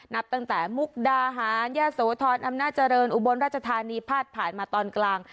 นับตั้งแต่มุกดาหารยะโสธรอำนาจเจริญอุบลราชธานีพาดผ่านมาตอนกลาง